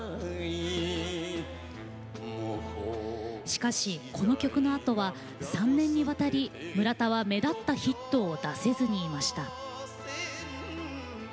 しかし、この曲のあとは３年にわたり村田は目立ったヒットを出せずにいました。